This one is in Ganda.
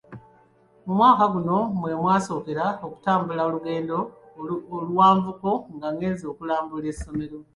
Mu mwaka ogwo mwe yasookera okutambula olugendo oluwanvuko ng'agenze okulambula essomero.